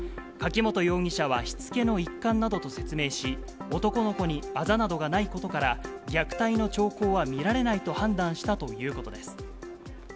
柿本容疑者はしつけの一環などと説明し、男の子にあざなどがないことから、虐待の兆候は見られないと判断したということです。